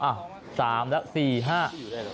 อัน๓แล้วกลาย๔๕